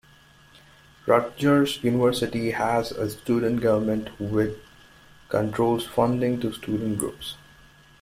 Rutgers University has a student government which controls funding to student groups.